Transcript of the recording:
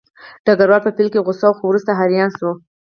ډګروال په پیل کې غوسه و خو وروسته حیران شو